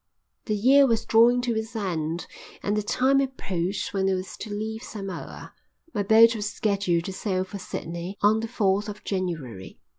The year was drawing to its end and the time approached when I was to leave Samoa. My boat was scheduled to sail for Sydney on the fourth of January.